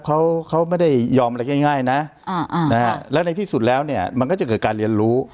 เขาเขาไม่ได้ยอมอะไรง่ายนะแล้วในที่สุดแล้วเนี่ยมันก็จะเกิดการเรียนรู้